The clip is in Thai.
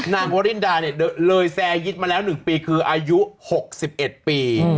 นางวรินดาเลยแซร์ยิดมาแล้ว๑ปีคืออายุ๖๑ปี